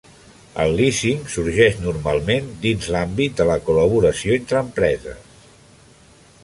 El lísing sorgeix normalment dins l'àmbit de la col·laboració entre empreses.